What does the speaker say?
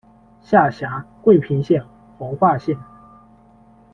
下辖桂平县、皇化县。